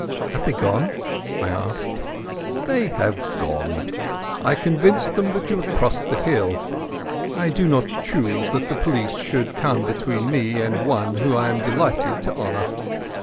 "Have they gone?" I asked. "They have gone. I convinced them that you had crossed the hill. I do not choose that the police should come between me and one whom I am delighted to honour.